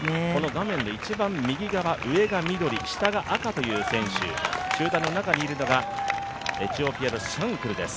画面で一番右側上が緑下が赤という選手集団の中にいるのがエチオピアのシャンクルです。